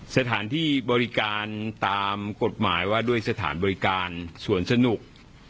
สถานที่บริการตามกฎหมายว่าด้วยสถานบริการสวนสนุก